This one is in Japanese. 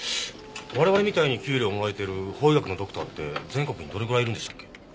我々みたいに給料もらえてる法医学のドクターって全国にどれぐらいいるんでしたっけ？